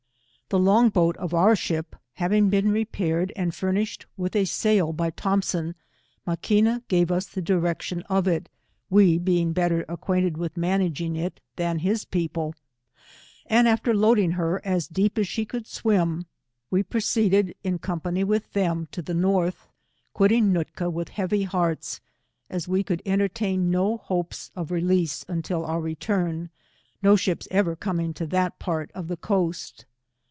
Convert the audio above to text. The long boat of our ship having been repaired and famished with a sail. by Thompson, Maquina gHve us the direction of it, we being better ac qudinitd with managing it than his people, and alter leading her as deep as she could swim, we pro ceeded in company with them to the Norlh, quitting Nootka with heavy hearts, as we could entertain no hopes of release until our return, no ah'rpa ever coming to that pari of the coast.